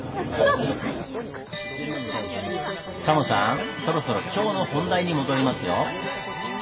タモさんそろそろ今日の本題に戻りますよ。